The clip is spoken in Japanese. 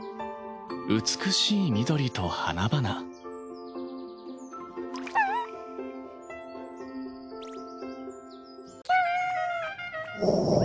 美しい緑と花々キュルゥ。